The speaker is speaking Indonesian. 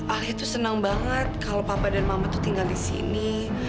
alia tuh senang banget kalau papa dan mama tuh tinggal di sini